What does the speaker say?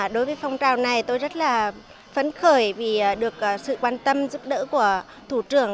đối với phong trào này tôi rất là phấn khởi vì được sự quan tâm giúp đỡ của thủ trưởng